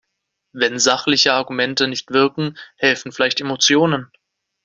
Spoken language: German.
Wenn sachliche Argumente nicht wirken, helfen vielleicht Emotionen.